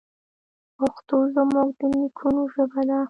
پښتو زموږ د نیکونو ژبه ده.